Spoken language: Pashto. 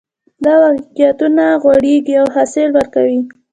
دا واقعیتونه غوړېږي او حاصل ورکوي